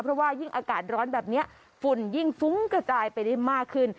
เพราะว่ายิ่งอากาศร้อนแบบนี้ฝุ่นยิ่งฟุ้งกระจายไปได้มากขึ้น